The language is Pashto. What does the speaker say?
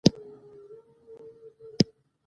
انګور د افغانستان د ځانګړي ډول جغرافیه استازیتوب کوي.